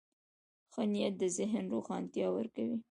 ښه نیت د ذهن روښانتیا ورکوي.